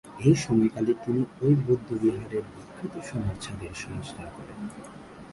এই সময়কালে তিনি ঐ বৌদ্ধবিহারের বিখ্যাত সোনার ছাদের সংস্কার করেন।